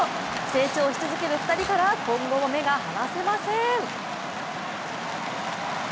成長し続ける２人から今後も目が離せません。